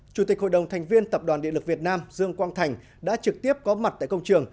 chủ tịch hội đồng thành viên tập đoàn điện lực việt nam dương quang thành đã trực tiếp có mặt tại công trường